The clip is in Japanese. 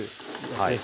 はい。